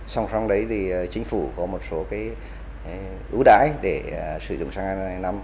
xong xong đấy thì chính phủ có một số ưu đái để sử dụng xăng e năm